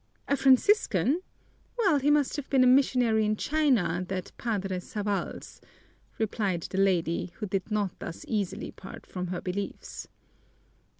"A Franciscan? Well, he must have been a missionary in China, that Padre Savalls," replied the lady, who did not thus easily part from her beliefs.